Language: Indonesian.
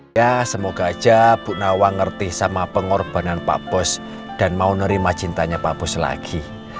ya semoga aja bu nawa ngerti sama pengorbanan pak bos dan mau nerima cintanya pak bos lagi